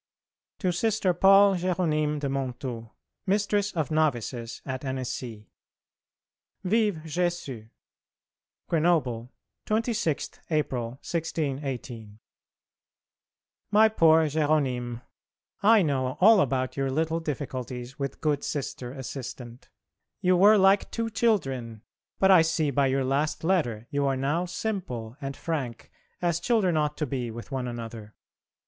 To Sister Paul Jéronyme de Monthoux, Mistress of Novices at Annecy. Vive [+] Jésus! GRENOBLE, 26th April, 1618. MY POOR JÉRONYME, I know all about your little difficulties with good Sister Assistant. You were like two children, but I see by your last letter you are now simple and frank as children ought to be with one another.